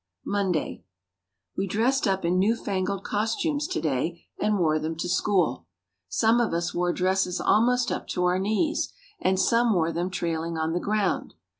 Monday. We dressed up in new fangled costumes to day and wore them to school. Some of us wore dresses almost up to our knees and some wore them trailing on the ground.